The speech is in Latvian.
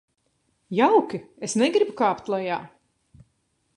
Jauki, es negribu kāpt lejā.